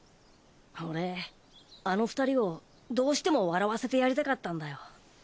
俺あの２人をどうしても笑わせてやりたかったんだよ。